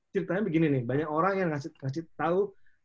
ceritanya begini nih banyak orang yang ngasih tahu